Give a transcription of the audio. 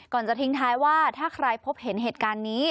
จะทิ้งท้ายว่าถ้าใครพบเห็นเหตุการณ์นี้